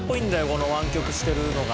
この湾曲してるのが。